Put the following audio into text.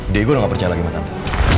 diego gak percaya lagi sama tante